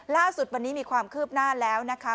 ล่าสุดวันนี้มีความคืบหน้าแล้วนะคะ